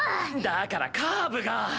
だからカーブが！